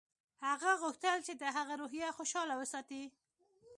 هغه غوښتل چې د هغه روحیه خوشحاله وساتي